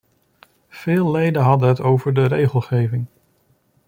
Veel leden hadden het over de regelgeving.